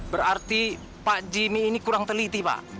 berarti pak jimmy ini kurang teliti pak